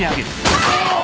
あっ。